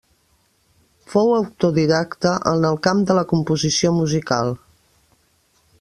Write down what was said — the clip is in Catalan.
Fou autodidacta en el camp de la composició musical.